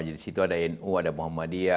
jadi disitu ada mu ada muhammadiyah